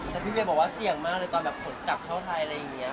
แต่พี่เวียบอกว่าเสี่ยงมากเลยตอนแบบขนกลับเข้าไทยอะไรอย่างนี้